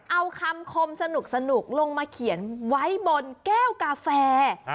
เอาคำคมสนุกลงมาเขียนไว้บนแก้วกาแฟ